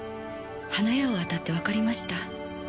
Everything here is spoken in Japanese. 花屋を当たってわかりました。